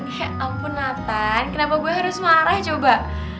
ya ampun natal kenapa gue harus marah coba